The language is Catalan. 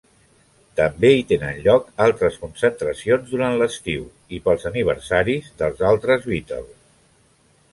També hi tenen lloc altres concentracions durant l'estiu i pels aniversaris dels altres Beatles.